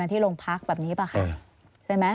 พ่อที่รู้ข่าวอยู่บ้าง